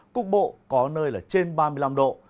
cục bộ có nơi là trên ba mươi năm độ